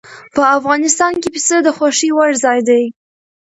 په افغانستان کې پسه د خوښې وړ ځای دی.